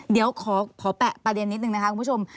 เดี๋ยวขอแปะประเด็นนิดนึงนะคะคุณผู้ชม